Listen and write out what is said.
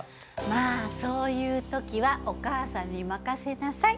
まあそういう時はお母さんに任せなさい。